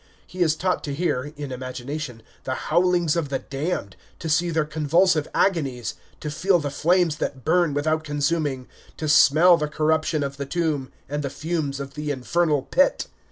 He is taught to hear, in imagination, the howlings of the damned, to see their convulsive agonies, to feel the flames that burn without consuming, to smell the corruption of the tomb and the fumes of the infernal pit.